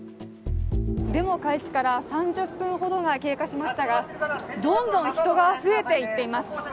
デモ開始から３０分ほどが経過しましたが、どんどん人が増えていっています。